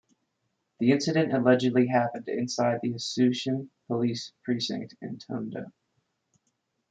The incident allegedly happened inside the Asuncion police precinct in Tondo.